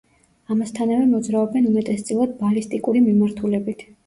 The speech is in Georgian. ამასთანავე მოძრაობენ უმეტესწილად ბალისტიკური მიმართულებით.